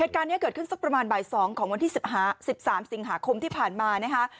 เหตุการณ์เนี้ยเกิดขึ้นสักประมาณบ่ายสองของวันที่สิบหาสิบสามสิงหาคมที่ผ่านมานะคะ